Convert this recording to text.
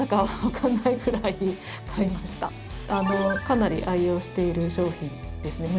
かなり愛用している商品ですね。